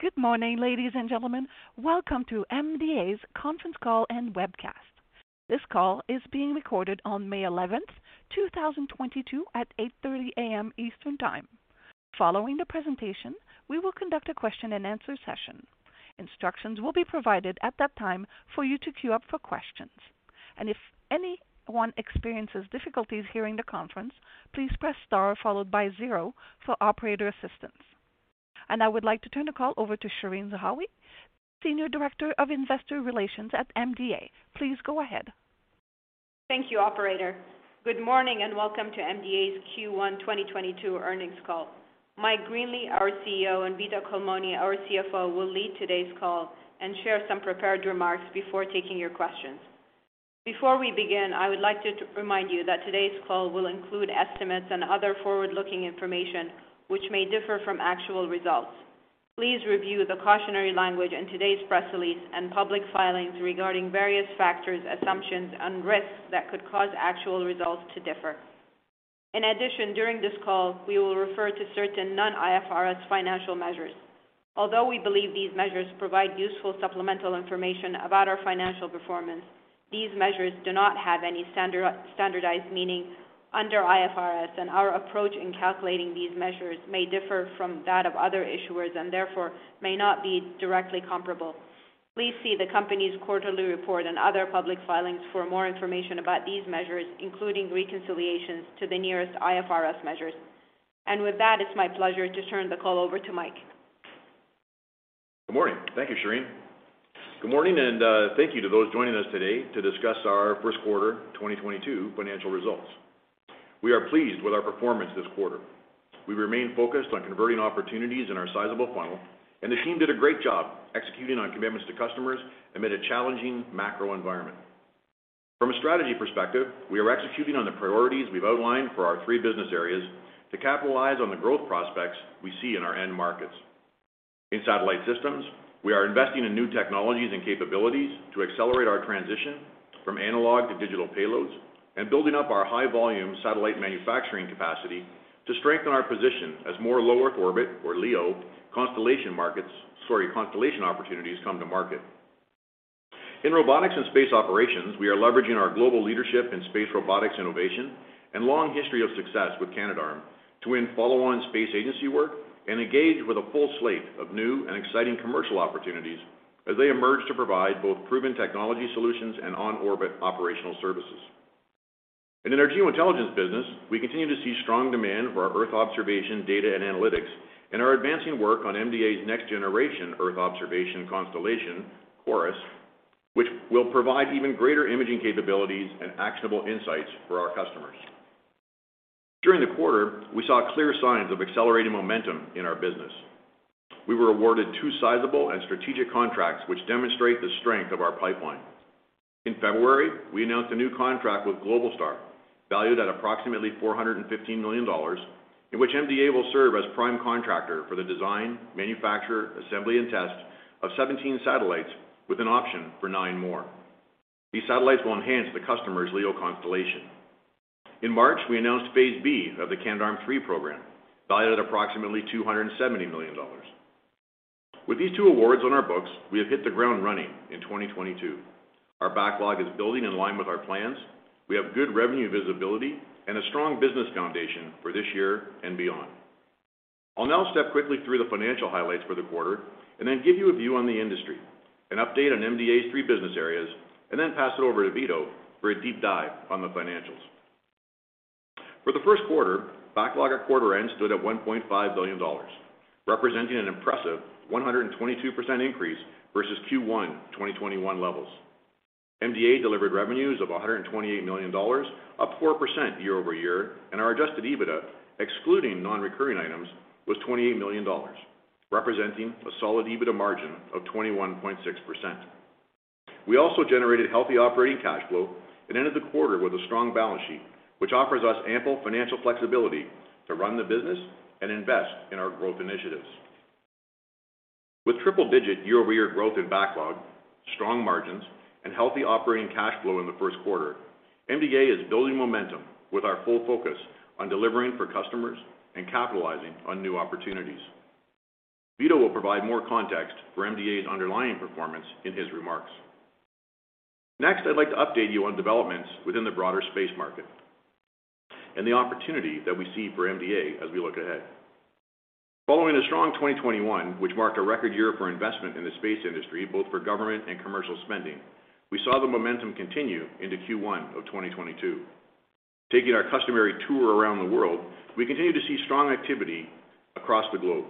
Good morning, ladies and gentlemen. Welcome to MDA's conference call and webcast. This call is being recorded on May 11th, 2022 at 8:30 A.M. Eastern Time. Following the presentation, we will conduct a question and answer session. Instructions will be provided at that time for you to queue up for questions. If anyone experiences difficulties hearing the conference, please press star followed by zero for operator assistance. I would like to turn the call over to Shereen Zahawi, Senior Director of Investor Relations at MDA. Please go ahead. Thank you, operator. Good morning, and welcome to MDA's Q1 2022 earnings call. Mike Greenley, our CEO, and Vito Culmone, our CFO, will lead today's call and share some prepared remarks before taking your questions. Before we begin, I would like to remind you that today's call will include estimates and other forward-looking information which may differ from actual results. Please review the cautionary language in today's press release and public filings regarding various factors, assumptions, and risks that could cause actual results to differ. In addition, during this call, we will refer to certain non-IFRS financial measures. Although we believe these measures provide useful supplemental information about our financial performance, these measures do not have any standard, standardized meaning under IFRS, and our approach in calculating these measures may differ from that of other issuers and therefore may not be directly comparable. Please see the company's quarterly report and other public filings for more information about these measures, including reconciliations to the nearest IFRS measures. With that, it's my pleasure to turn the call over to Mike. Good morning. Thank you, Shereen. Good morning, and thank you to those joining us today to discuss our first quarter 2022 financial results. We are pleased with our performance this quarter. We remain focused on converting opportunities in our sizable funnel, and the team did a great job executing on commitments to customers amid a challenging macro environment. From a strategy perspective, we are executing on the priorities we've outlined for our three business areas to capitalize on the growth prospects we see in our end markets. In satellite systems, we are investing in new technologies and capabilities to accelerate our transition from analog to digital payloads and building up our high-volume satellite manufacturing capacity to strengthen our position as more low Earth orbit or LEO constellation opportunities come to market. In robotics and space operations, we are leveraging our global leadership in space robotics innovation and long history of success with Canadarm to win follow-on space agency work and engage with a full slate of new and exciting commercial opportunities as they emerge to provide both proven technology solutions and on-orbit operational services. In our Geointelligence business, we continue to see strong demand for our Earth observation data and analytics and are advancing work on MDA's next-generation Earth observation constellation, CHORUS, which will provide even greater imaging capabilities and actionable insights for our customers. During the quarter, we saw clear signs of accelerated momentum in our business. We were awarded two sizable and strategic contracts which demonstrate the strength of our pipeline. In February, we announced a new contract with Globalstar, valued at approximately 415 million dollars, in which MDA will serve as prime contractor for the design, manufacture, assembly, and test of 17 satellites with an option for nine more. These satellites will enhance the customer's LEO constellation. In March, we announced Phase B of the Canadarm3 program, valued at approximately 270 million dollars. With these two awards on our books, we have hit the ground running in 2022. Our backlog is building in line with our plans. We have good revenue visibility and a strong business foundation for this year and beyond. I'll now step quickly through the financial highlights for the quarter and then give you a view on the industry, an update on MDA's three business areas, and then pass it over to Vito for a deep dive on the financials. For the first quarter, backlog at quarter end stood at 1.5 billion dollars, representing an impressive 122% increase versus Q1 2021 levels. MDA delivered revenues of 128 million dollars, up 4% year-over-year, and our adjusted EBITDA, excluding non-recurring items, was 28 million dollars, representing a solid EBITDA margin of 21.6%. We also generated healthy operating cash flow and ended the quarter with a strong balance sheet, which offers us ample financial flexibility to run the business and invest in our growth initiatives. With triple-digit year-over-year growth in backlog, strong margins, and healthy operating cash flow in the first quarter, MDA is building momentum with our full focus on delivering for customers and capitalizing on new opportunities. Vito will provide more context for MDA's underlying performance in his remarks. Next, I'd like to update you on developments within the broader space market and the opportunity that we see for MDA as we look ahead. Following a strong 2021, which marked a record year for investment in the space industry, both for government and commercial spending, we saw the momentum continue into Q1 of 2022. Taking our customary tour around the world, we continue to see strong activity across the globe.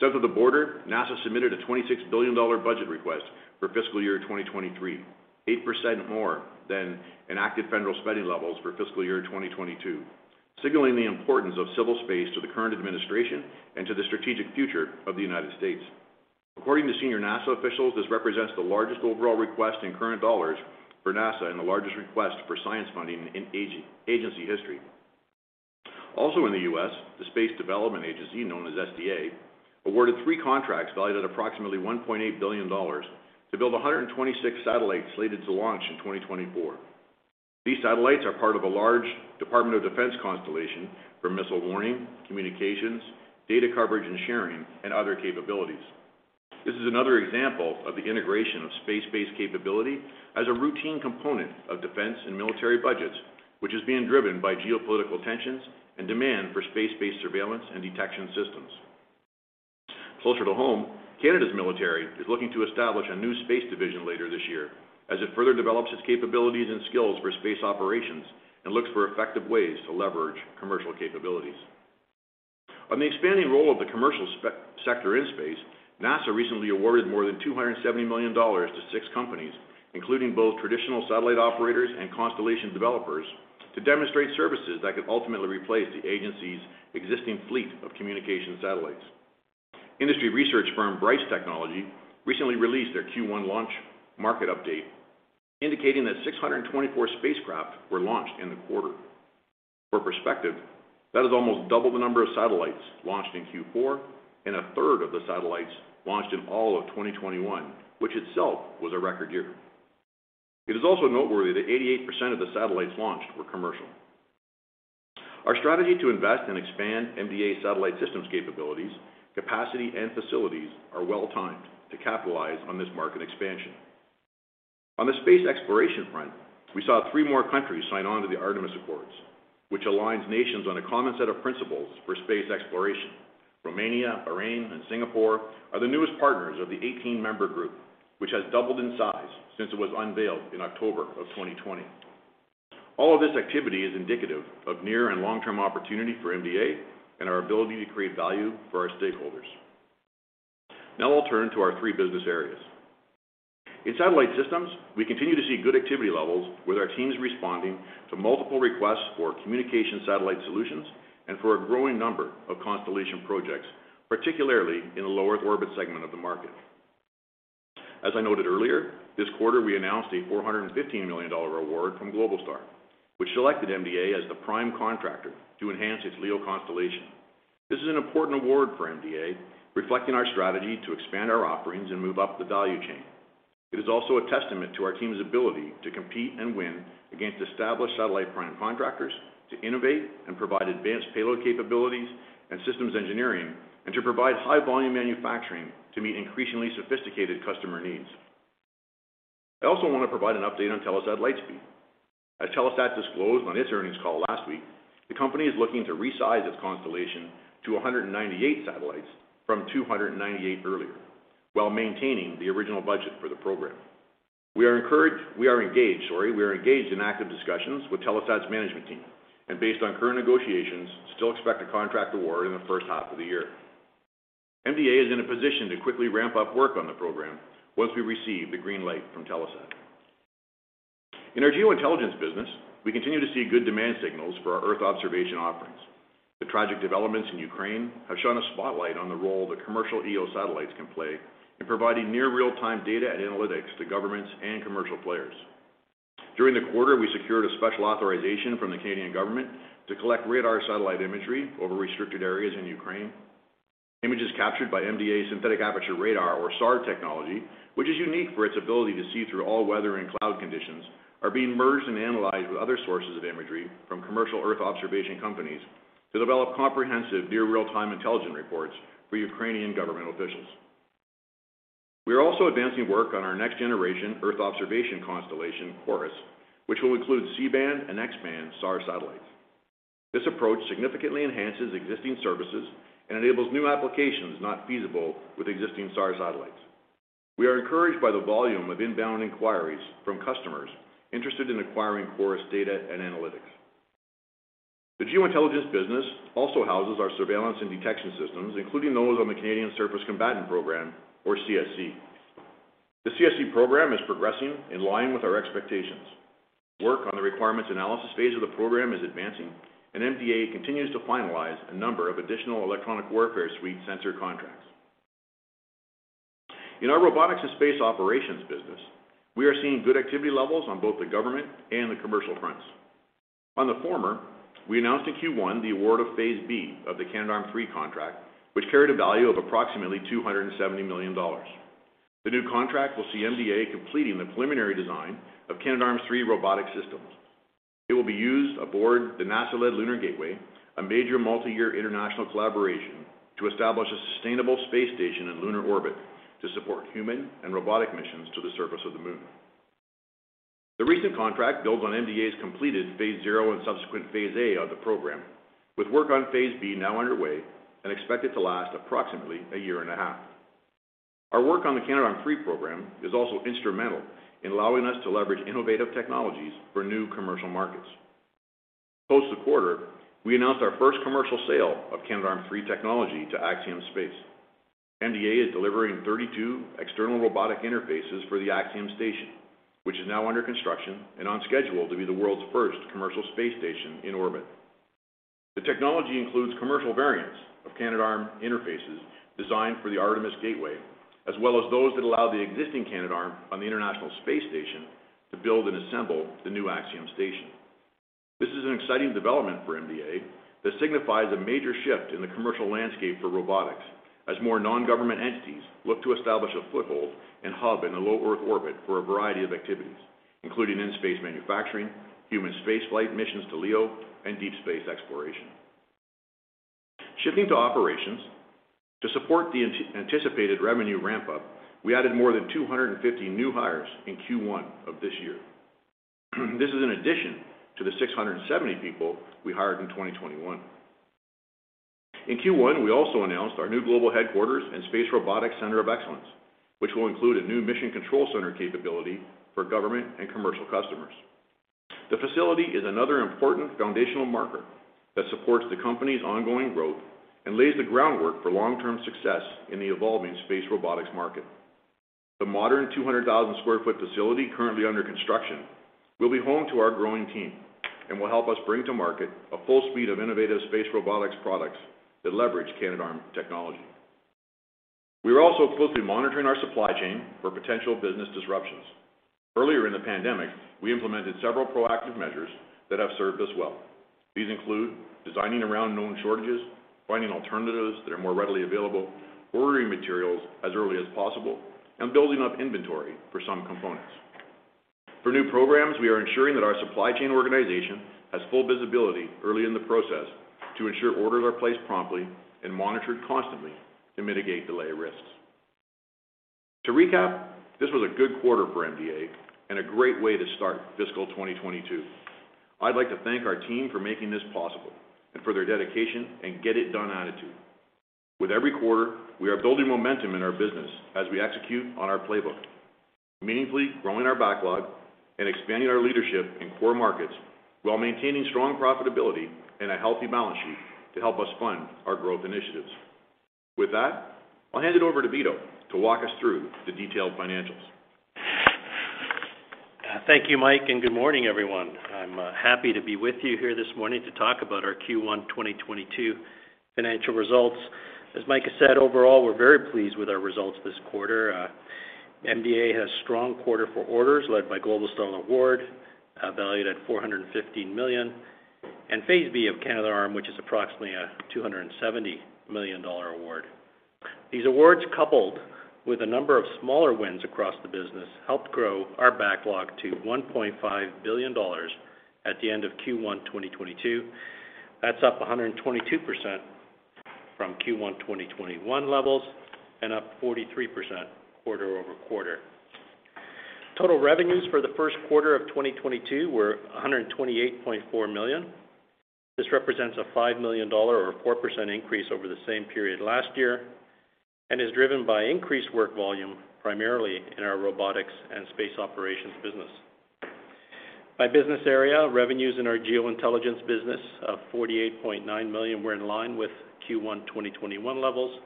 South of the border, NASA submitted a $26 billion budget request for fiscal year 2023, 8% more than enacted federal spending levels for fiscal year 2022, signaling the importance of civil space to the current administration and to the strategic future of the United States. According to senior NASA officials, this represents the largest overall request in current dollars for NASA and the largest request for science funding in agency history. Also in the US, the Space Development Agency, known as SDA, awarded three contracts valued at approximately $1.8 billion to build 126 satellites slated to launch in 2024. These satellites are part of a large Department of Defense constellation for missile warning, communications, data coverage and sharing, and other capabilities. This is another example of the integration of space-based capability as a routine component of defense and military budgets, which is being driven by geopolitical tensions and demand for space-based surveillance and detection systems. Closer to home, Canada's military is looking to establish a new space division later this year as it further develops its capabilities and skills for space operations and looks for effective ways to leverage commercial capabilities. On the expanding role of the commercial sector in space, NASA recently awarded more than $270 million to six companies, including both traditional satellite operators and constellation developers, to demonstrate services that could ultimately replace the agency's existing fleet of communication satellites. Industry research firm BryceTech recently released their Q1 launch market update, indicating that 624 spacecraft were launched in the quarter. For perspective, that is almost double the number of satellites launched in Q4 and a third of the satellites launched in all of 2021, which itself was a record year. It is also noteworthy that 88% of the satellites launched were commercial. Our strategy to invest and expand MDA satellite systems capabilities, capacity, and facilities are well-timed to capitalize on this market expansion. On the space exploration front, we saw three more countries sign on to the Artemis Accords, which aligns nations on a common set of principles for space exploration. Romania, Bahrain, and Singapore are the newest partners of the 18-member group, which has doubled in size since it was unveiled in October of 2020. All of this activity is indicative of near and long-term opportunity for MDA and our ability to create value for our stakeholders. Now I'll turn to our three business areas. In satellite systems, we continue to see good activity levels with our teams responding to multiple requests for communication satellite solutions and for a growing number of constellation projects, particularly in the lower orbit segment of the market. As I noted earlier, this quarter we announced a $415 million award from Globalstar, which selected MDA as the prime contractor to enhance its LEO constellation. This is an important award for MDA, reflecting our strategy to expand our offerings and move up the value chain. It is also a testament to our team's ability to compete and win against established satellite prime contractors to innovate and provide advanced payload capabilities and systems engineering, and to provide high-volume manufacturing to meet increasingly sophisticated customer needs. I also want to provide an update on Telesat Lightspeed. As Telesat disclosed on its earnings call last week, the company is looking to resize its constellation to 198 satellites from 298 earlier, while maintaining the original budget for the program. We are engaged in active discussions with Telesat's management team, and based on current negotiations, still expect a contract award in the first half of the year. MDA is in a position to quickly ramp up work on the program once we receive the green light from Telesat. In our Geo Intelligence business, we continue to see good demand signals for our Earth observation offerings. The tragic developments in Ukraine have shone a spotlight on the role that commercial EO satellites can play in providing near real-time data and analytics to governments and commercial players. During the quarter, we secured a special authorization from the Canadian government to collect radar satellite imagery over restricted areas in Ukraine. Images captured by MDA's synthetic aperture radar or SAR technology, which is unique for its ability to see through all weather and cloud conditions, are being merged and analyzed with other sources of imagery from commercial Earth observation companies to develop comprehensive near real-time intelligence reports for Ukrainian government officials. We are also advancing work on our next-generation Earth observation constellation, CHORUS, which will include C-band and X-band SAR satellites. This approach significantly enhances existing services and enables new applications not feasible with existing SAR satellites. We are encouraged by the volume of inbound inquiries from customers interested in acquiring CHORUS data and analytics. The Geo Intelligence business also houses our surveillance and detection systems, including those on the Canadian Surface Combatant program, or CSC. The CSC program is progressing in line with our expectations. Work on the requirements analysis phase of the program is advancing, and MDA continues to finalize a number of additional electronic warfare suite sensor contracts. In our robotics and space operations business, we are seeing good activity levels on both the government and the commercial fronts. On the former, we announced in Q1 the award of Phase B of the Canadarm3 contract, which carried a value of approximately 270 million dollars. The new contract will see MDA completing the preliminary design of Canadarm3 robotic systems. It will be used aboard the NASA-led Lunar Gateway, a major multi-year international collaboration to establish a sustainable space station in lunar orbit to support human and robotic missions to the surface of the moon. The recent contract builds on MDA's completed Phase 0 and subsequent Phase A of the program, with work on Phase B now underway and expected to last approximately a year and a half. Our work on the Canadarm3 program is also instrumental in allowing us to leverage innovative technologies for new commercial markets. At the close of the quarter, we announced our first commercial sale of Canadarm3 technology to Axiom Space. MDA is delivering 32 external robotic interfaces for the Axiom Station, which is now under construction and on schedule to be the world's first commercial space station in orbit. The technology includes commercial variants of Canadarm interfaces designed for the Artemis Gateway, as well as those that allow the existing Canadarm on the International Space Station to build and assemble the new Axiom Station. This is an exciting development for MDA that signifies a major shift in the commercial landscape for robotics as more non-government entities look to establish a foothold and hub in a low Earth orbit for a variety of activities, including in space manufacturing, human spaceflight missions to LEO, and deep space exploration. Shifting to operations. To support the anticipated revenue ramp-up, we added more than 250 new hires in Q1 of this year. This is in addition to the 670 people we hired in 2021. In Q1, we also announced our new global headquarters and space robotics center of excellence, which will include a new mission control center capability for government and commercial customers. The facility is another important foundational marker that supports the company's ongoing growth and lays the groundwork for long-term success in the evolving space robotics market. The modern 200,000 sq ft facility currently under construction will be home to our growing team and will help us bring to market a full suite of innovative space robotics products that leverage Canadarm technology. We are also closely monitoring our supply chain for potential business disruptions. Earlier in the pandemic, we implemented several proactive measures that have served us well. These include designing around known shortages, finding alternatives that are more readily available, ordering materials as early as possible, and building up inventory for some components. For new programs, we are ensuring that our supply chain organization has full visibility early in the process to ensure orders are placed promptly and monitored constantly to mitigate delay risks. To recap, this was a good quarter for MDA and a great way to start fiscal 2022. I'd like to thank our team for making this possible and for their dedication and get it done attitude. With every quarter, we are building momentum in our business as we execute on our playbook, meaningfully growing our backlog and expanding our leadership in core markets while maintaining strong profitability and a healthy balance sheet to help us fund our growth initiatives. With that, I'll hand it over to Vito to walk us through the detailed financials. Thank you, Mike, and good morning, everyone. I'm happy to be with you here this morning to talk about our Q1 2022 financial results. As Mike has said, overall, we're very pleased with our results this quarter. MDA has strong quarter for orders led by Globalstar award, valued at 415 million, and Phase B of Canadarm, which is approximately a 270 million dollar award. These awards, coupled with a number of smaller wins across the business, helped grow our backlog to 1.5 billion dollars at the end of Q1 2022. That's up 122% from Q1 2021 levels and up 43% quarter-over-quarter. Total revenues for the first quarter of 2022 were 128.4 million. This represents a 5 million dollar or 4% increase over the same period last year and is driven by increased work volume, primarily in our robotics and space operations business. By business area, revenues in our geointelligence business of 48.9 million were in line with Q1 2021 levels.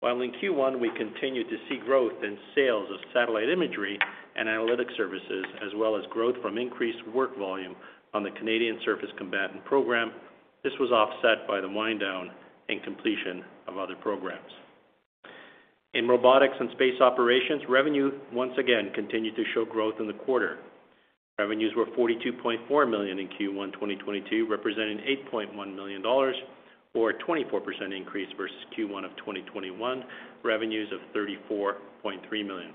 While in Q1, we continued to see growth in sales of satellite imagery and analytic services, as well as growth from increased work volume on the Canadian Surface Combatant program. This was offset by the wind down and completion of other programs. In robotics and space operations, revenue once again continued to show growth in the quarter. Revenues were 42.4 million in Q1 2022, representing 8.1 million dollars or a 24% increase versus Q1 of 2021, revenues of 34.3 million.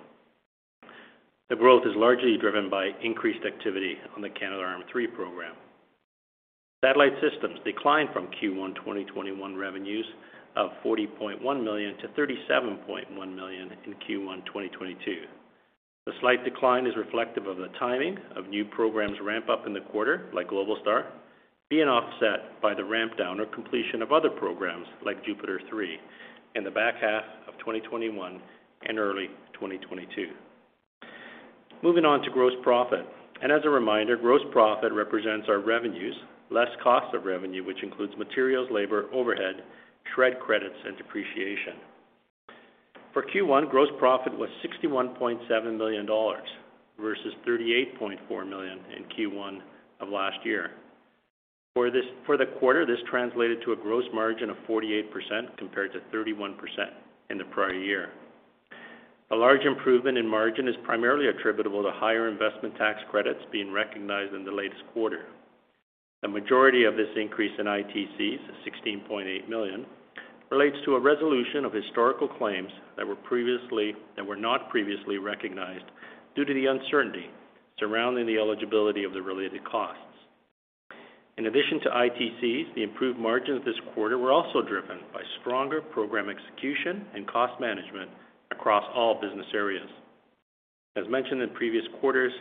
The growth is largely driven by increased activity on the Canadarm 3 program. Satellite systems declined from Q1 2021 revenues of 40.1 million to 37.1 million in Q1 2022. The slight decline is reflective of the timing of new programs ramp up in the quarter, like Globalstar, being offset by the ramp down or completion of other programs like JUPITER 3 in the back half of 2021 and early 2022. Moving on to gross profit, and as a reminder, gross profit represents our revenues less cost of revenue, which includes materials, labor, overhead, trade credits, and depreciation. For Q1, gross profit was 61.7 million dollars, versus 38.4 million in Q1 of last year. For the quarter, this translated to a gross margin of 48% compared to 31% in the prior year. A large improvement in margin is primarily attributable to higher investment tax credits being recognized in the latest quarter. The majority of this increase in ITCs, 16.8 million, relates to a resolution of historical claims that were not previously recognized due to the uncertainty surrounding the eligibility of the related costs. In addition to ITCs, the improved margins this quarter were also driven by stronger program execution and cost management across all business areas. As mentioned in previous quarters,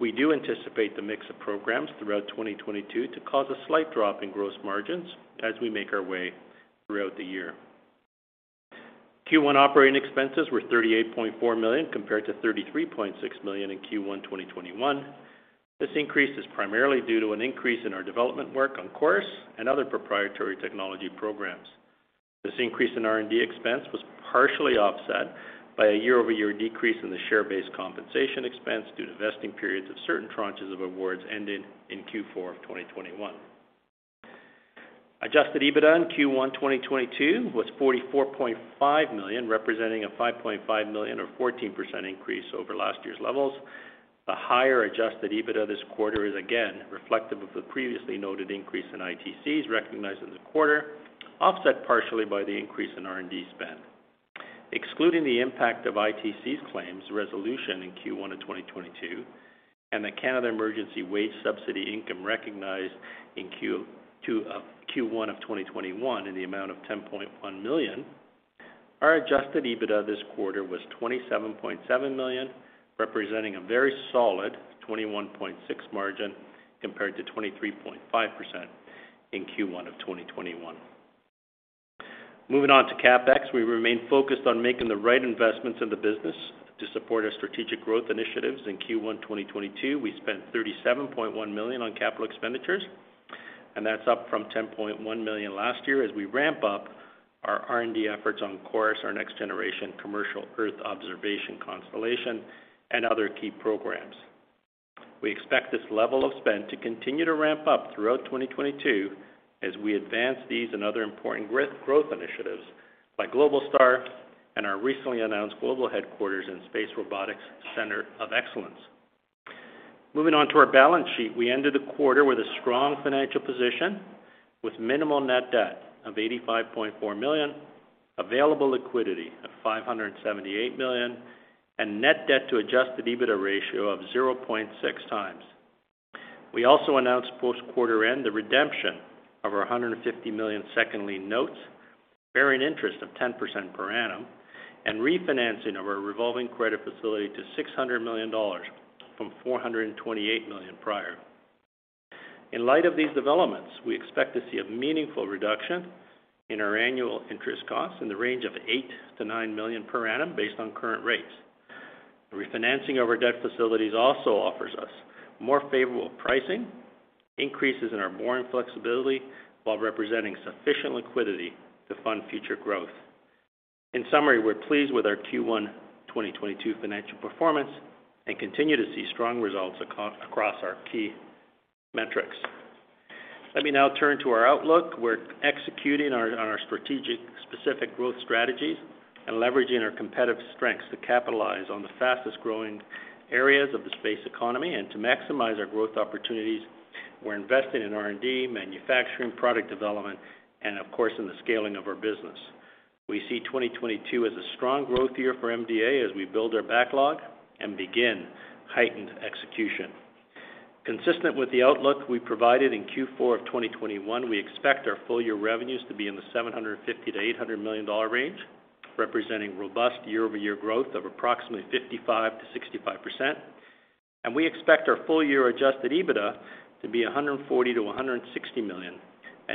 we do anticipate the mix of programs throughout 2022 to cause a slight drop in gross margins as we make our way throughout the year. Q1 operating expenses were 38.4 million, compared to 33.6 million in Q1 2021. This increase is primarily due to an increase in our development work on CHORUS and other proprietary technology programs. This increase in R&D expense was partially offset by a year-over-year decrease in the share-based compensation expense due to vesting periods of certain tranches of awards ending in Q4 of 2021. Adjusted EBITDA in Q1 2022 was 44.5 million, representing a 5.5 million or 14% increase over last year's levels. The higher adjusted EBITDA this quarter is again reflective of the previously noted increase in ITCs recognized in the quarter, offset partially by the increase in R&D spend. Excluding the impact of ITCs claims resolution in Q1 of 2022 and the Canada Emergency Wage Subsidy income recognized in Q1 of 2021 in the amount of 10.1 million. Our adjusted EBITDA this quarter was 27.7 million, representing a very solid 21.6% margin, compared to 23.5% in Q1 of 2021. Moving on to CapEx. We remain focused on making the right investments in the business to support our strategic growth initiatives. In Q1 2022, we spent 37.1 million on capital expenditures, and that's up from 10.1 million last year as we ramp up our R&D efforts on CHORUS, our next-generation commercial Earth observation constellation and other key programs. We expect this level of spend to continue to ramp up throughout 2022 as we advance these and other important key growth initiatives by Globalstar and our recently announced global headquarters and Space Robotics Center of Excellence. Moving on to our balance sheet. We ended the quarter with a strong financial position with minimal net debt of 85.4 million, available liquidity of 578 million, and net debt to adjusted EBITDA ratio of 0.6 times. We also announced post-quarter end, the redemption of our 150 million senior notes, bearing interest of 10% per annum and refinancing of our revolving credit facility to 600 million dollars from 428 million prior. In light of these developments, we expect to see a meaningful reduction in our annual interest costs in the range of 8 million-9 million per annum based on current rates. The refinancing of our debt facilities also offers us more favorable pricing, increases in our borrowing flexibility while representing sufficient liquidity to fund future growth. In summary, we're pleased with our Q1 2022 financial performance and continue to see strong results across our key metrics. Let me now turn to our outlook. We're executing on our strategic specific growth strategies and leveraging our competitive strengths to capitalize on the fastest-growing areas of the space economy and to maximize our growth opportunities. We're investing in R&D, manufacturing, product development and of course, in the scaling of our business. We see 2022 as a strong growth year for MDA as we build our backlog and begin heightened execution. Consistent with the outlook we provided in Q4 of 2021, we expect our full year revenues to be in the 750 million-800 million dollar range, representing robust year-over-year growth of approximately 55%-65%. We expect our full year adjusted EBITDA to be 140 million-160 million.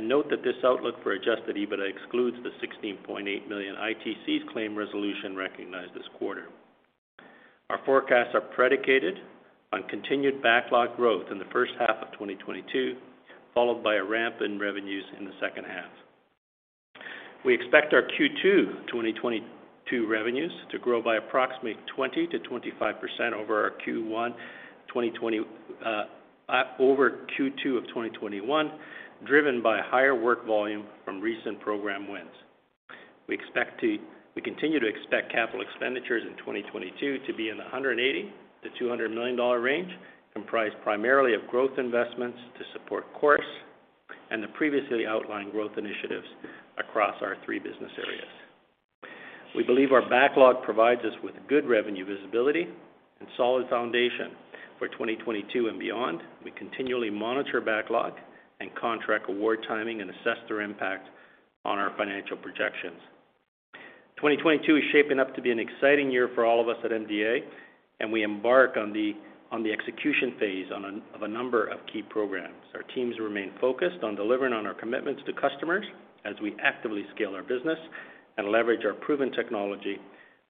Note that this outlook for adjusted EBITDA excludes the 16.8 million ITCs claim resolution recognized this quarter. Our forecasts are predicated on continued backlog growth in the first half of 2022, followed by a ramp in revenues in the second half. We expect our Q2 2022 revenues to grow by approximately 20%-25% over Q2 of 2021, driven by higher work volume from recent program wins. We continue to expect capital expenditures in 2022 to be in the 180 million-200 million dollar range, comprised primarily of growth investments to support CHORUS and the previously outlined growth initiatives across our three business areas. We believe our backlog provides us with good revenue visibility and solid foundation for 2022 and beyond. We continually monitor backlog and contract award timing and assess their impact on our financial projections. 2022 is shaping up to be an exciting year for all of us at MDA, and we embark on the execution phase of a number of key programs. Our teams remain focused on delivering on our commitments to customers as we actively scale our business and leverage our proven technology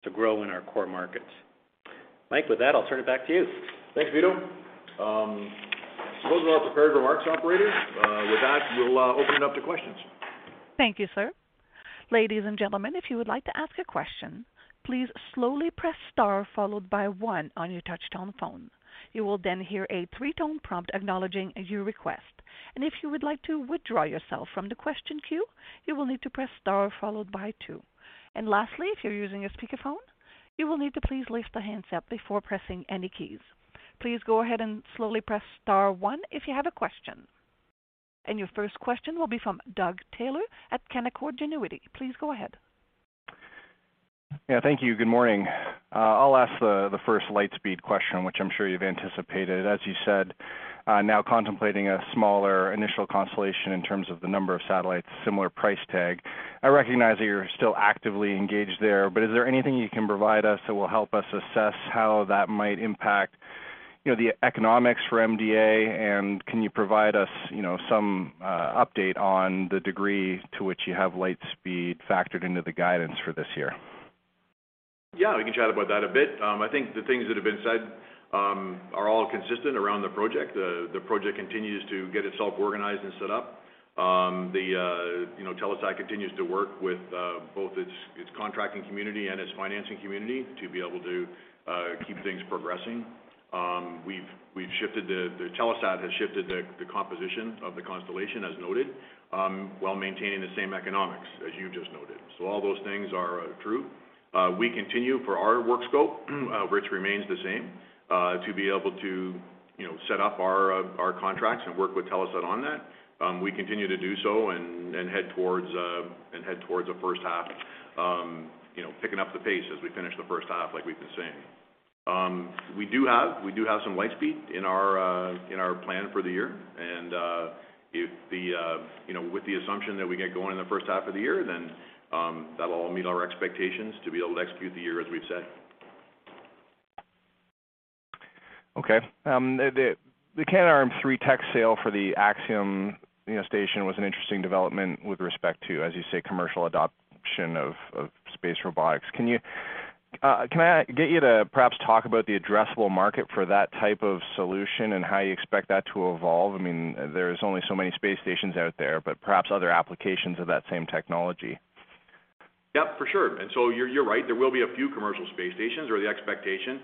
to grow in our core markets. Mike, with that, I'll turn it back to you. Thanks, Vito. Those were prepared remarks, operator. With that, we'll open it up to questions. Thank you, sir. Ladies and gentlemen, if you would like to ask a question, please slowly press Star followed by one on your touchtone phone. You will then hear a three-tone prompt acknowledging your request. If you would like to withdraw yourself from the question queue, you will need to press Star followed by two. Lastly, if you're using a speakerphone, you will need to please lift the handset before pressing any keys. Please go ahead and slowly press Star one if you have a question. Your first question will be from Doug Taylor at Canaccord Genuity. Please go ahead. Yeah, thank you. Good morning. I'll ask the first Lightspeed question, which I'm sure you've anticipated. As you said, now contemplating a smaller initial constellation in terms of the number of satellites, similar price tag. I recognize that you're still actively engaged there, but is there anything you can provide us that will help us assess how that might impact, you know, the economics for MDA? And can you provide us, you know, some update on the degree to which you have Lightspeed factored into the guidance for this year? Yeah, we can chat about that a bit. I think the things that have been said are all consistent around the project. The project continues to get itself organized and set up. You know, Telesat continues to work with both its contracting community and its financing community to be able to keep things progressing. Telesat has shifted the composition of the constellation as noted, while maintaining the same economics as you just noted. All those things are true. We continue for our work scope, which remains the same, to be able to, you know, set up our contracts and work with Telesat on that. We continue to do so and head towards the first half, you know, picking up the pace as we finish the first half like we've been saying. We do have some Lightspeed in our plan for the year. If, you know, with the assumption that we get going in the first half of the year, then that'll meet our expectations to be able to execute the year as we've said. Okay. The Canadarm3 tech sale for the Axiom Station, you know, was an interesting development with respect to, as you say, commercial adoption of space robotics. Can I get you to perhaps talk about the addressable market for that type of solution and how you expect that to evolve? I mean, there's only so many space stations out there, but perhaps other applications of that same technology. Yeah, for sure. You're right. There will be a few commercial space stations or the expectation.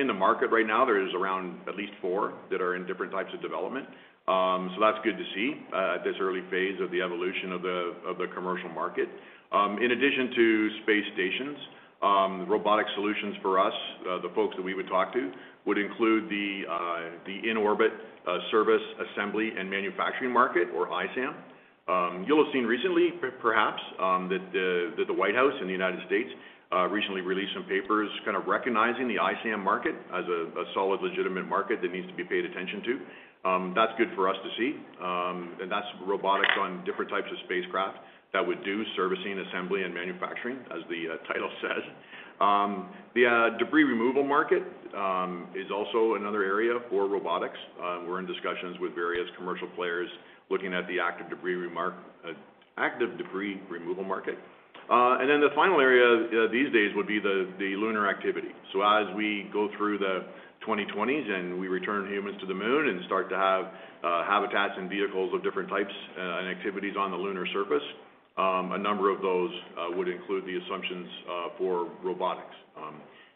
In the market right now, there is around at least four that are in different types of development. That's good to see at this early phase of the commercial market. In addition to space stations, robotic solutions for us, the folks that we would talk to would include the in-orbit service, assembly, and manufacturing market or ISAM. You'll have seen recently perhaps that the White House in the United States recently released some papers kind of recognizing the ISAM market as a solid, legitimate market that needs to be paid attention to. That's good for us to see. That's robotics on different types of spacecraft that would do servicing, assembly, and manufacturing, as the title says. The debris removal market is also another area for robotics. We're in discussions with various commercial players looking at the active debris removal market. The final area these days would be the lunar activity. As we go through the 2020s and we return humans to the moon and start to have habitats and vehicles of different types and activities on the lunar surface, a number of those would include the assumptions for robotics.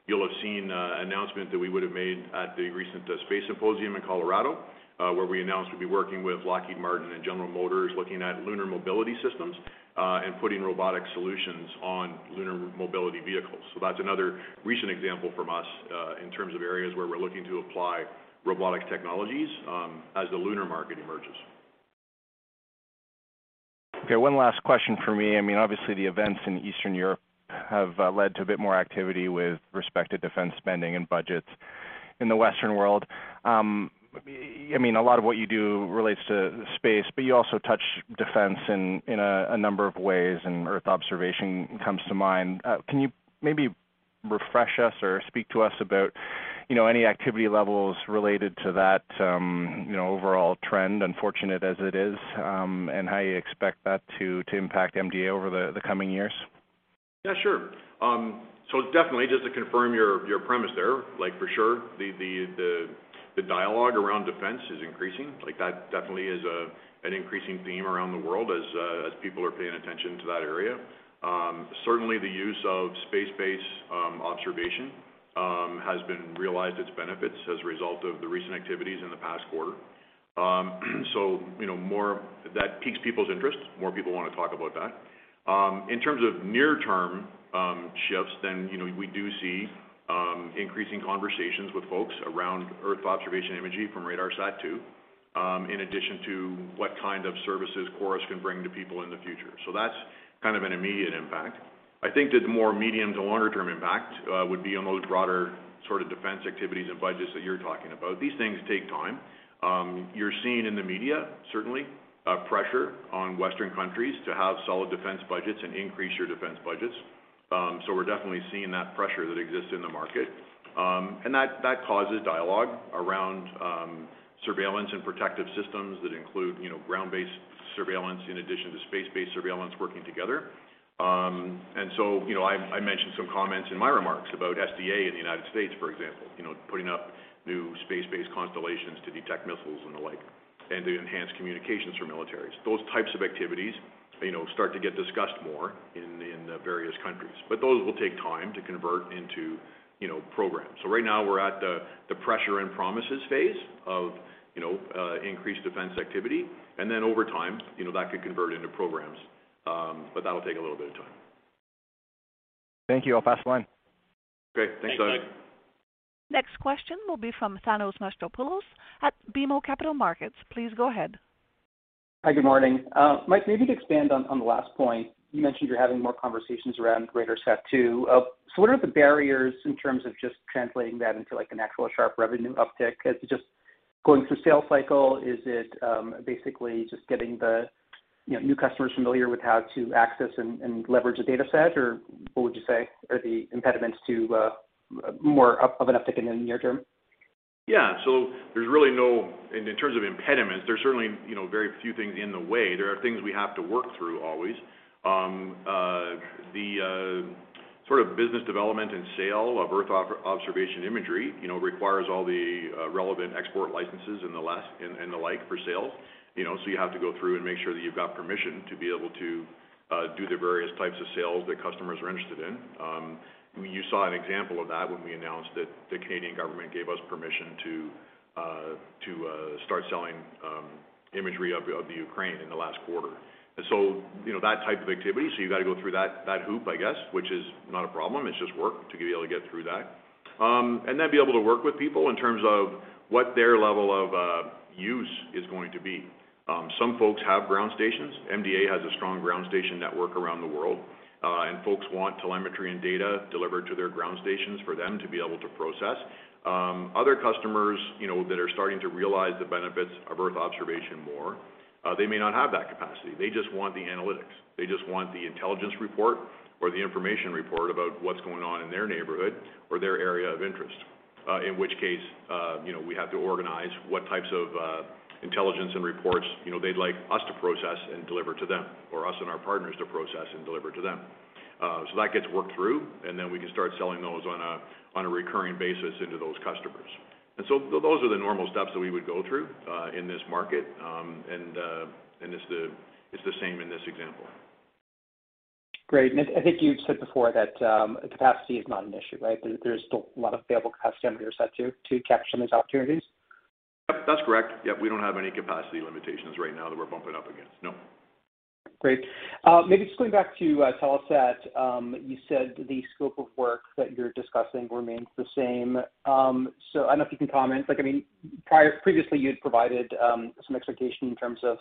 You'll have seen announcement that we would have made at the recent Space Symposium in Colorado, where we announced we'd be working with Lockheed Martin and General Motors, looking at lunar mobility systems, and putting robotic solutions on lunar mobility vehicles. That's another recent example from us, in terms of areas where we're looking to apply robotic technologies, as the lunar market emerges. Okay, one last question for me. I mean, obviously, the events in Eastern Europe have led to a bit more activity with respect to defense spending and budgets in the Western world. I mean, a lot of what you do relates to space, but you also touch defense in a number of ways, and Earth observation comes to mind. Can you maybe refresh us or speak to us about, you know, any activity levels related to that, you know, overall trend, unfortunate as it is, and how you expect that to impact MDA over the coming years? Yeah, sure. So definitely, just to confirm your premise there, like for sure, the dialogue around defense is increasing. Like, that definitely is an increasing theme around the world as people are paying attention to that area. Certainly, the use of space-based observation has realized its benefits as a result of the recent activities in the past quarter. You know, that piques people's interests. More people wanna talk about that. In terms of near-term shifts, then, you know, we do see increasing conversations with folks around Earth observation imagery from RADARSAT-2, in addition to what kind of services CHORUS can bring to people in the future. So that's kind of an immediate impact. I think that the more medium to longer term impact would be on those broader sort of defense activities and budgets that you're talking about. These things take time. You're seeing in the media, certainly, pressure on Western countries to have solid defense budgets and increase your defense budgets. We're definitely seeing that pressure that exists in the market. That causes dialogue around surveillance and protective systems that include, you know, ground-based surveillance in addition to space-based surveillance working together. I mentioned some comments in my remarks about SDA in the United States, for example, you know, putting up new space-based constellations to detect missiles and the like, and to enhance communications for militaries. Those types of activities, you know, start to get discussed more in various countries. Those will take time to convert into, you know, programs. Right now we're at the pressure and promises phase of, you know, increased defense activity, and then over time, you know, that could convert into programs. That'll take a little bit of time. Thank you. I'll pass the line. Okay. Thanks, Doug. Thanks, Doug. Next question will be from Thanos Moschopoulos at BMO Capital Markets. Please go ahead. Hi, good morning. Mike, maybe to expand on the last point, you mentioned you're having more conversations around RADARSAT-2. So what are the barriers in terms of just translating that into like an actual sharp revenue uptick? Is it just going through sales cycle? Is it basically just getting the, you know, new customers familiar with how to access and leverage the dataset? Or what would you say are the impediments to more of an uptick in the near term? Yeah. There's really no in terms of impediments, there's certainly, you know, very few things in the way. There are things we have to work through always. The sort of business development and sale of Earth observation imagery, you know, requires all the relevant export licenses and the like for sales, you know. You have to go through and make sure that you've got permission to be able to do the various types of sales that customers are interested in. You saw an example of that when we announced that the Canadian government gave us permission to start selling imagery of the Ukraine in the last quarter. You know, that type of activity, you gotta go through that hoop, I guess, which is not a problem. It's just work to be able to get through that. Be able to work with people in terms of what their level of use is going to be. Some folks have ground stations. MDA has a strong ground station network around the world, and folks want telemetry and data delivered to their ground stations for them to be able to process. Other customers, you know, that are starting to realize the benefits of Earth observation more, they may not have that capacity. They just want the analytics. They just want the intelligence report or the information report about what's going on in their neighborhood or their area of interest, in which case, you know, we have to organize what types of intelligence and reports, you know, they'd like us to process and deliver to them, or us and our partners to process and deliver to them. That gets worked through, and then we can start selling those on a recurring basis into those customers. Those are the normal steps that we would go through in this market. It's the same in this example. Great. I think you said before that capacity is not an issue, right? There's still a lot of available capacity on your side to capture some of these opportunities. Yep, that's correct. Yeah, we don't have any capacity limitations right now that we're bumping up against. No. Great. Maybe just going back to Telesat, you said the scope of work that you're discussing remains the same. I don't know if you can comment, like, I mean, previously you had provided some expectation in terms of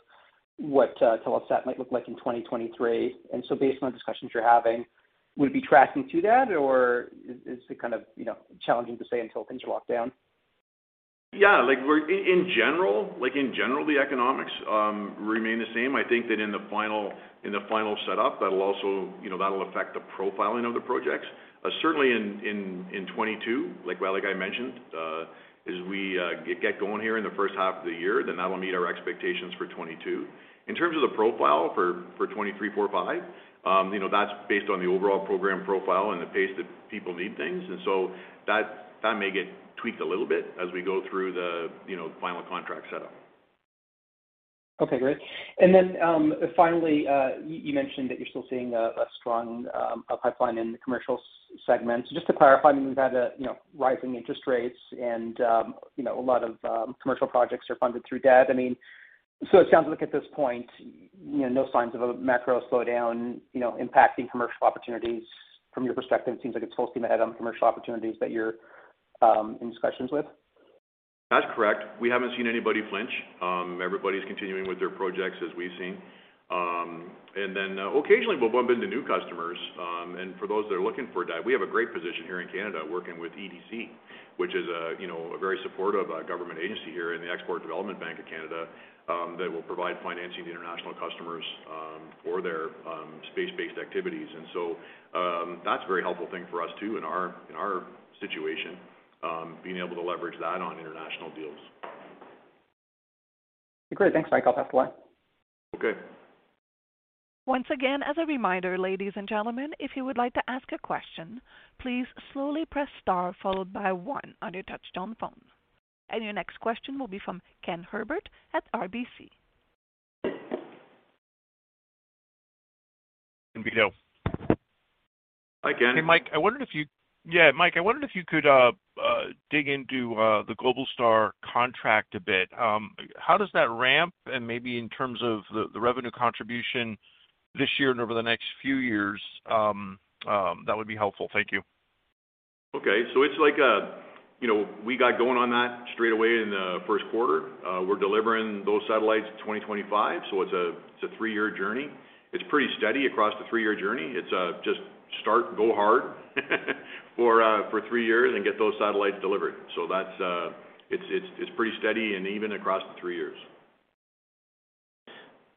what Telesat might look like in 2023. Based on the discussions you're having, would it be tracking to that, or is it kind of, you know, challenging to say until things are locked down? In general, like, in general, the economics remain the same. I think that in the final setup, that'll also, you know, affect the profiling of the projects. Certainly in 2022, like, well, like I mentioned, as we get going here in the first half of the year, then that will meet our expectations for 2022. In terms of the profile for 2023, 2024, 2025, you know, that's based on the overall program profile and the pace that people need things. That may get tweaked a little bit as we go through the, you know, final contract setup. Okay, great. Finally, you mentioned that you're still seeing a strong pipeline in the commercial segment. Just to clarify, I mean, we've had you know, rising interest rates and you know, a lot of commercial projects are funded through debt. I mean, it sounds like at this point, you know, no signs of a macro slowdown, you know, impacting commercial opportunities from your perspective. It seems like it's full steam ahead on commercial opportunities that you're in discussions with. That's correct. We haven't seen anybody flinch. Everybody's continuing with their projects as we've seen. Then, occasionally we'll bump into new customers, and for those that are looking for that, we have a great position here in Canada working with EDC, which is, you know, a very supportive government agency here in the Export Development Canada, that will provide financing to international customers, for their space-based activities. That's a very helpful thing for us, too, in our situation, being able to leverage that on international deals. Great. Thanks, Mike. I'll pass the line. Okay. Once again, as a reminder, ladies and gentlemen, if you would like to ask a question, please slowly press star followed by one on your touch-tone phone. Your next question will be from Ken Herbert at RBC. Vito. Hi, Ken. Hey, Mike. Yeah, Mike, I wondered if you could dig into the Globalstar contract a bit. How does that ramp? Maybe in terms of the revenue contribution this year and over the next few years, that would be helpful. Thank you. Okay. It's like, you know, we got going on that straight away in the first quarter. We're delivering those satellites in 2025, so it's a three-year journey. It's pretty steady across the three-year journey. It's just start, go hard for three years and get those satellites delivered. That's it's pretty steady and even across the three years.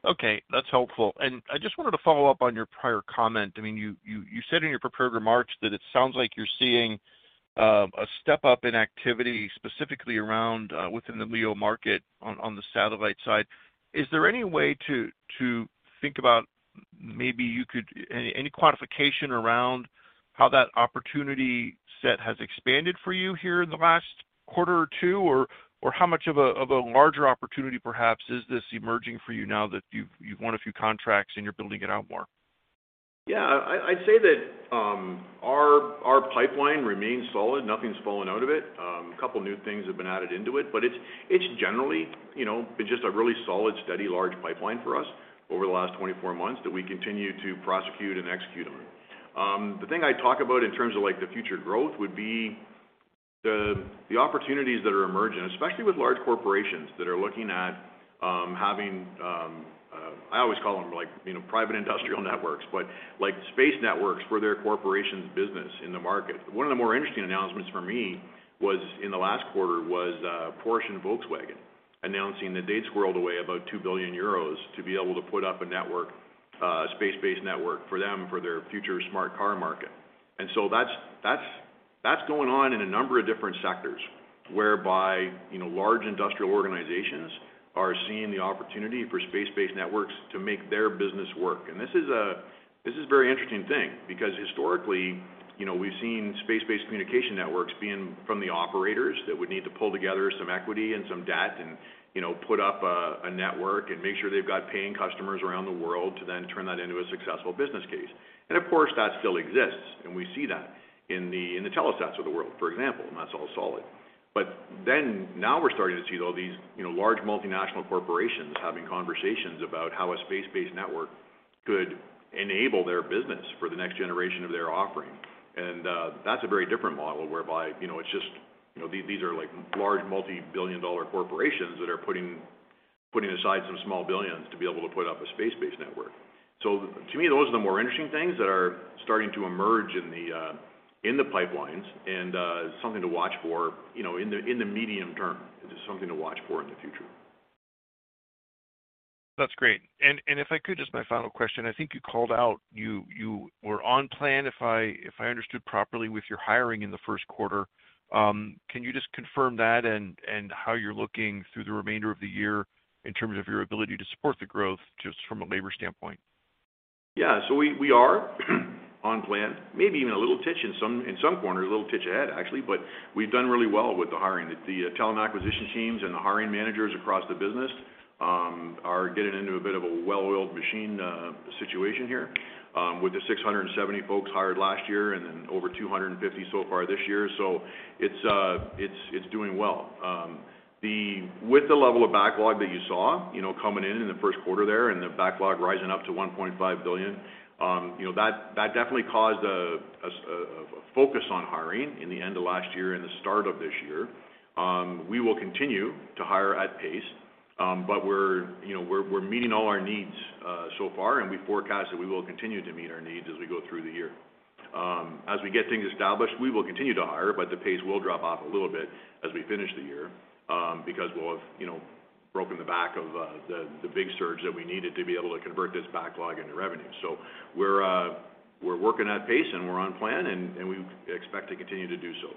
Okay. That's helpful. I just wanted to follow up on your prior comment. I mean, you said in your prepared remarks that it sounds like you're seeing a step up in activity, specifically around within the LEO market on the satellite side. Is there any way to think about any quantification around how that opportunity set has expanded for you here in the last quarter or two? Or how much of a larger opportunity perhaps is this emerging for you now that you've won a few contracts and you're building it out more? Yeah. I'd say that our pipeline remains solid. Nothing's fallen out of it. A couple new things have been added into it, but it's generally, you know, been just a really solid, steady, large pipeline for us over the last 24 months that we continue to prosecute and execute on. The thing I talk about in terms of, like, the future growth would be the opportunities that are emerging, especially with large corporations that are looking at having. I always call them, like, you know, private industrial networks, but like space networks for their corporation's business in the market. One of the more interesting announcements for me was in the last quarter, Porsche and Volkswagen announcing that they'd squirreled away about 2 billion euros to be able to put up a space-based network for them for their future smart car. That's going on in a number of different sectors, whereby, you know, large industrial organizations are seeing the opportunity for space-based networks to make their business work. This is a very interesting thing because historically, you know, we've seen space-based communication networks being from the operators that would need to pull together some equity and some debt, and, you know, put up a network, and make sure they've got paying customers around the world to then turn that into a successful business case. Of course, that still exists, and we see that in the Telesat of the world, for example, and that's all solid. But then now we're starting to see though these, you know, large multinational corporations having conversations about how a space-based network could enable their business for the next generation of their offering. That's a very different model whereby, you know, it's just, you know, these are like large multi-billion-dollar corporations that are putting aside some small billions to be able to put up a space-based network. To me, those are the more interesting things that are starting to emerge in the pipelines and something to watch for, you know, in the medium term. This is something to watch for in the future. That's great. If I could, just my final question, I think you called out, you were on plan, if I understood properly with your hiring in the first quarter. Can you just confirm that and how you're looking through the remainder of the year in terms of your ability to support the growth just from a labor standpoint? Yeah. We are on plan, maybe even a little touch in some corners, a little touch ahead actually. We've done really well with the hiring. The talent acquisition teams and the hiring managers across the business are getting into a bit of a well-oiled machine situation here, with the 670 folks hired last year and then over 250 so far this year. It's doing well. With the level of backlog that you saw, you know, coming in in the first quarter there and the backlog rising up to 1.5 billion, you know, that definitely caused a focus on hiring in the end of last year and the start of this year. We will continue to hire at pace, but we're, you know, meeting all our needs so far, and we forecast that we will continue to meet our needs as we go through the year. As we get things established, we will continue to hire, but the pace will drop off a little bit as we finish the year, because we'll have, you know, broken the back of the big surge that we needed to be able to convert this backlog into revenue. We're working at pace, and we're on plan, and we expect to continue to do so.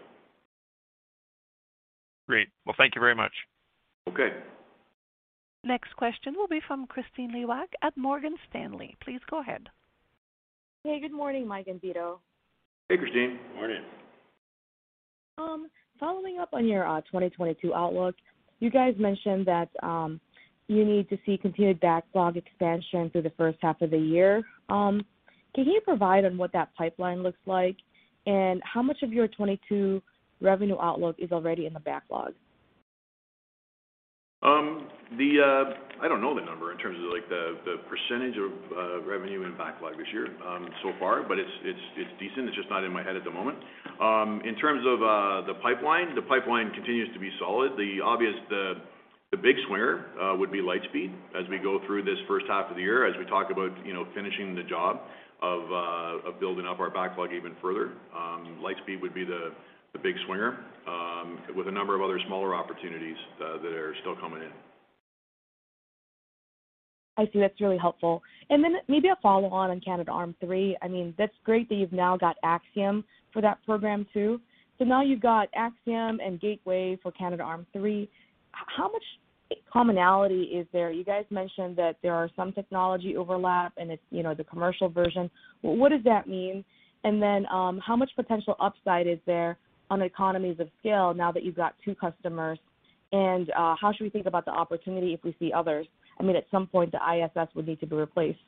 Great. Well, thank you very much. Okay. Next question will be from Kristine Liwag at Morgan Stanley. Please go ahead. Hey, good morning, Mike and Vito. Hey, Kristine. Morning. Following up on your 2022 outlook, you guys mentioned that you need to see continued backlog expansion through the first half of the year. Can you provide on what that pipeline looks like? How much of your 2022 revenue outlook is already in the backlog? I don't know the number in terms of like the percentage of revenue and backlog this year so far, but it's decent. It's just not in my head at the moment. In terms of the pipeline, the pipeline continues to be solid. The big swinger would be Lightspeed as we go through this first half of the year, as we talk about you know finishing the job of building up our backlog even further. Lightspeed would be the big swinger with a number of other smaller opportunities that are still coming in. I see. That's really helpful. Maybe a follow on Canadarm3. I mean, that's great that you've now got Axiom for that program too. Now you've got Axiom and Gateway for Canadarm3. How much commonality is there? You guys mentioned that there are some technology overlap, and it's, you know, the commercial version. What does that mean? How much potential upside is there on economies of scale now that you've got two customers? How should we think about the opportunity if we see others? I mean, at some point, the ISS would need to be replaced.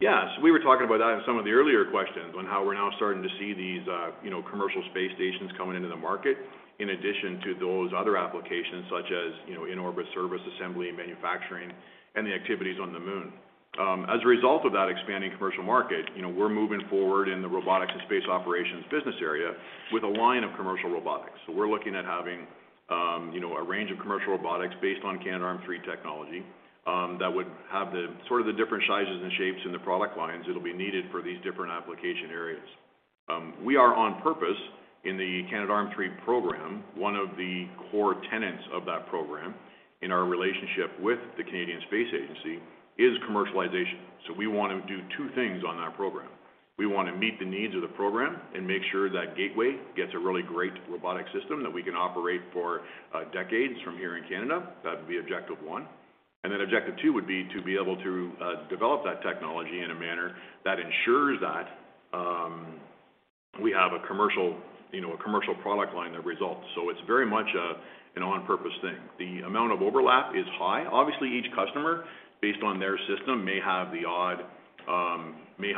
Yeah. We were talking about that in some of the earlier questions on how we're now starting to see these, you know, commercial space stations coming into the market, in addition to those other applications such as, you know, in-orbit service, assembly, and manufacturing, and the activities on the moon. As a result of that expanding commercial market, you know, we're moving forward in the robotics and space operations business area with a line of commercial robotics. We're looking at having, you know, a range of commercial robotics based on Canadarm3 technology, that would have the sort of different sizes and shapes in the product lines that'll be needed for these different application areas. We are on purpose in the Canadarm3 program, one of the core tenets of that program in our relationship with the Canadian Space Agency is commercialization. We want to do two things on that program. We want to meet the needs of the program and make sure that Gateway gets a really great robotic system that we can operate for decades from here in Canada. That would be objective one. Objective two would be to be able to develop that technology in a manner that ensures that we have a commercial product line that results. It's very much an on-purpose thing. The amount of overlap is high. Obviously, each customer, based on their system, may have the odd tweak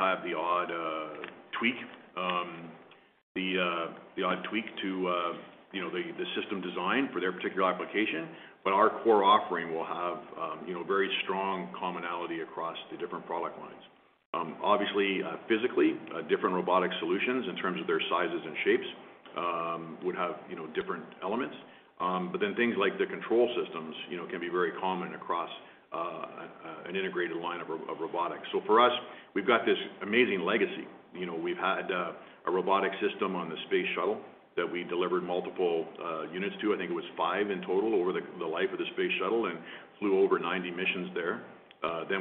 to the system design for their particular application. But our core offering will have very strong commonality across the different product lines. Obviously, physically different robotic solutions in terms of their sizes and shapes would have, you know, different elements. Things like the control systems, you know, can be very common across an integrated line of robotics. For us, we've got this amazing legacy. You know, we've had a robotic system on the Space Shuttle that we delivered multiple units to. I think it was five in total over the life of the Space Shuttle, and flew over 90 missions there.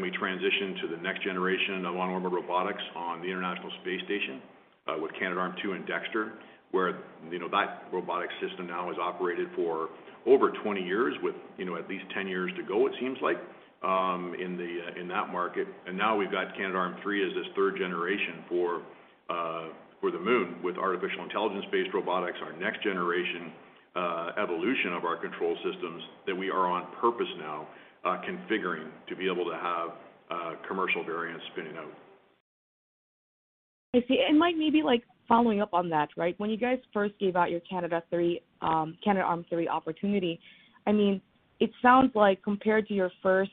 We transitioned to the next generation of on-orbit robotics on the International Space Station with Canadarm2 and Dextre, where, you know, that robotic system now has operated for over 20 years with, you know, at least 10 years to go it seems like in that market. Now we've got Canadarm3 as this third generation for the moon with artificial intelligence-based robotics, our next generation evolution of our control systems that we are on purpose now configuring to be able to have commercial variants spinning out. I see. Like maybe following up on that, right? When you guys first gave out your Canadarm3 opportunity, I mean, it sounds like compared to your first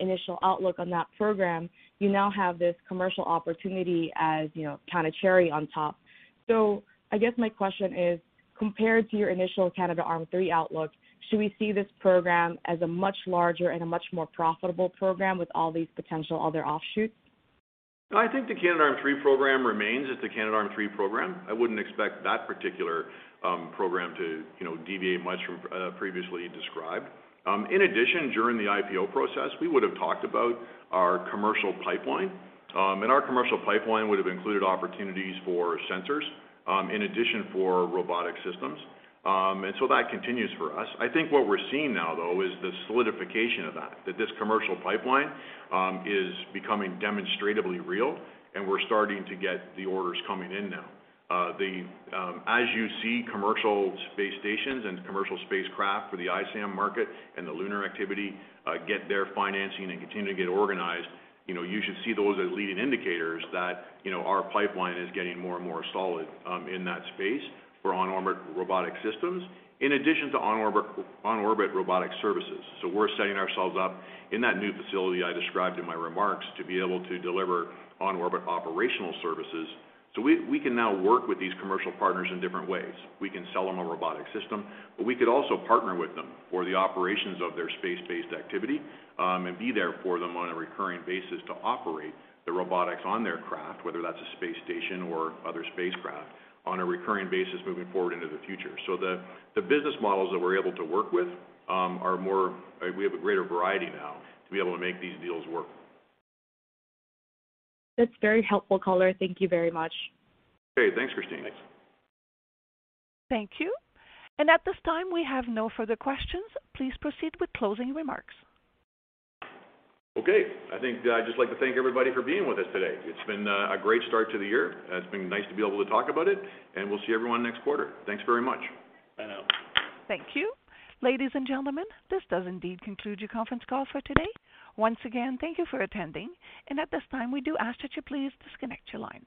initial outlook on that program, you now have this commercial opportunity as, you know, kinda cherry on top. So I guess my question is, compared to your initial Canadarm3 outlook, should we see this program as a much larger and a much more profitable program with all these potential other offshoots? I think the Canadarm3 program remains as the Canadarm3 program. I wouldn't expect that particular program to, you know, deviate much from previously described. In addition, during the IPO process, we would have talked about our commercial pipeline, and our commercial pipeline would have included opportunities for sensors, in addition for robotic systems. That continues for us. I think what we're seeing now, though, is the solidification of that this commercial pipeline is becoming demonstratively real, and we're starting to get the orders coming in now. As you see, commercial space stations and commercial spacecraft for the ISAM market and the lunar activity get their financing and continue to get organized, you know. You should see those as leading indicators that, you know, our pipeline is getting more and more solid in that space for on-orbit robotic systems, in addition to on-orbit robotic services. We're setting ourselves up in that new facility I described in my remarks to be able to deliver on-orbit operational services. We can now work with these commercial partners in different ways. We can sell them a robotic system, but we could also partner with them for the operations of their space-based activity, and be there for them on a recurring basis to operate the robotics on their craft, whether that's a space station or other spacecraft on a recurring basis moving forward into the future. The business models that we're able to work with are more. We have a greater variety now to be able to make these deals work. That's very helpful, Collier. Thank you very much. Okay, thanks, Kristine. Thank you. At this time, we have no further questions. Please proceed with closing remarks. Okay. I think I'd just like to thank everybody for being with us today. It's been a great start to the year. It's been nice to be able to talk about it, and we'll see everyone next quarter. Thanks very much. Out. Thank you. Ladies and gentlemen, this does indeed conclude your conference call for today. Once again, thank you for attending, and at this time, we do ask that you please disconnect your line.